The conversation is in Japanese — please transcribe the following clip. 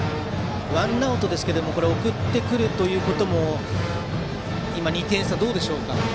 ワンアウトですが送ってくるということも今、２点差ですがどうでしょう？